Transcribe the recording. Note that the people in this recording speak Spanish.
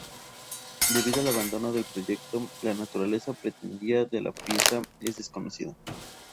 Debido al abandono del proyecto, la naturaleza pretendida de la pieza es desconocida.